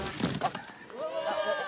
あっ。